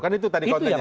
kan itu tadi kontennya